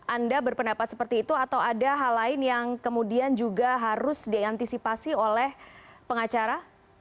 anda berpendapat seperti itu atau ada hal lain yang kemudian juga harus diantisipasi oleh pengacara